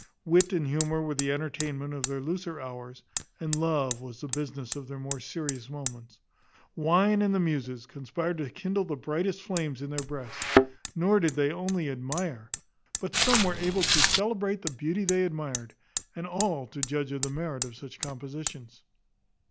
Wit and humour were the entertainment of their looser hours, and love was the business of their more serious moments. Wine and the muses conspired to kindle the brightest flames in their breasts; nor did they only admire, but some were able to celebrate the beauty they admired, and all to judge of the merit of such compositions.